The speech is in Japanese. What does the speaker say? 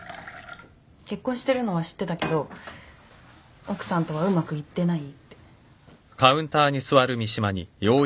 結婚してるのは知ってたけど奥さんとはうまくいってないって。